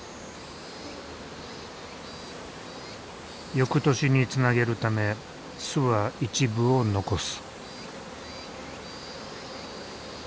翌年につなげるため巣は一部を残す。